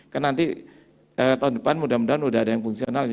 karena nanti tahun depan mudah mudahan sudah ada yang fungsional